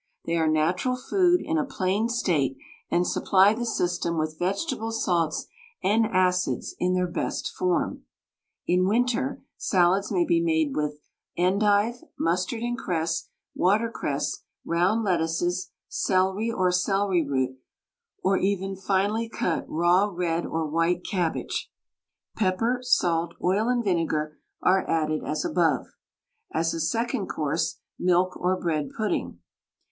They are natural food in a plain state, and supply the system with vegetable salts and acids in the best form. In winter, salads may be made with endive, mustard and cress, watercress, round lettuces, celery, or celery root, or even finely cut raw red or white cabbage; pepper, salt, oil, and vinegar are added as above. As a second course, milk or bread pudding.